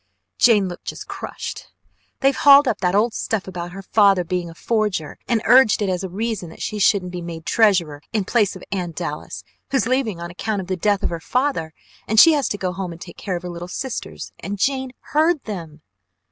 Jane looked just crushed! They've hauled up that old stuff about her father being a forger and urged it as a reason that she shouldn't be made treasurer in place of Anne Dallas who is leaving on account of the death of her father and she has to go home and take care of her little sisters and JANE HEARD THEM!"